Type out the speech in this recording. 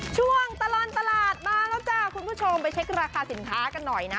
ช่วงตลอดตลาดมาแล้วจ้าคุณผู้ชมไปเช็คราคาสินค้ากันหน่อยนะ